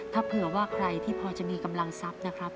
ถ้าเผื่อว่าใครที่พอจะมีกำลังทรัพย์นะครับ